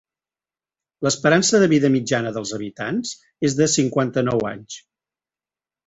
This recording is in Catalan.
L'esperança de vida mitjana dels habitants és de cinquanta-nou anys.